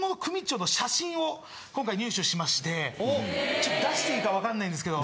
ちょっと出していいかわかんないんですけど。